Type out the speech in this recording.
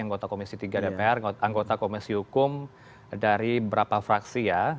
anggota komisi tiga dpr anggota komisi hukum dari berapa fraksi ya